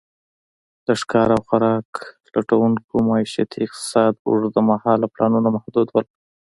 د ښکار او خوراک لټونکو معیشتي اقتصاد اوږد مهاله پلانونه محدود ول.